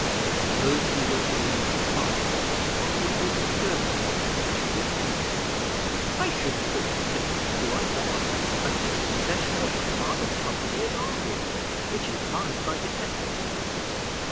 Suppose you were to leave the forest, what would be the first step which you would take?" "I should, of course, state who I was, and take possession of my father's property at Arnwood, which is mine by descent."